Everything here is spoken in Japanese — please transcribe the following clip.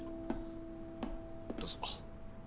どうぞ。